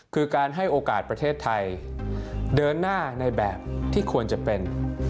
คือการให้โอกาสประเทศไทยเดินหน้าในแบบที่ควรจะเป็น